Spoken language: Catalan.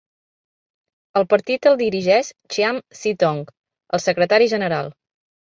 El partit el dirigeix Chiam See Tong, el secretari general.